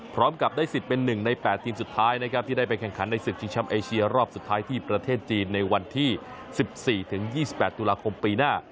พร้อมกับได้สิทธิ์เป็น๑ใน๘ทีมสุดท้ายนะครับที่ได้ไปแข่งขันในศึกชิงช้ำเอเชียรอบสุดท้ายที่ประเทศจีนในวันที่๑๔๒๘ตุลาคมปีหน้า